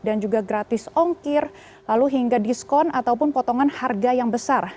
dan juga gratis ongkir lalu hingga diskon ataupun potongan harga yang besar